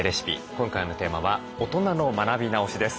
今回のテーマは「大人の学び直し」です。